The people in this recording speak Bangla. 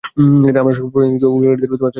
আমরা স্ব-প্রণোদিত ক্যাডেটদের একটা স্বেচ্ছাসেবী দল।